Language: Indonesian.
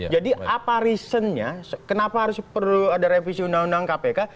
jadi apa reasonnya kenapa harus perlu ada revisi undang undang kpk